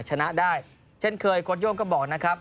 ชนะได้เช่นเคยโค้ดโย่งก็บอกนะครับ